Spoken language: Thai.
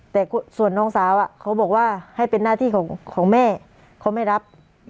แต่ส่วนน้องสาวเขาบอกว่าให้เป็นหน้าที่ของแม่เขาไม่รับ